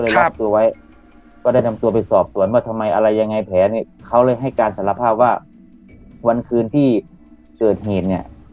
รับตัวไว้ก็ได้นำตัวไปสอบสวนว่าทำไมอะไรยังไงแผลเนี่ยเขาเลยให้การสารภาพว่าวันคืนที่เกิดเหตุเนี่ย